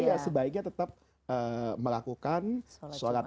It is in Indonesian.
ya sebaiknya tetap melakukan sholat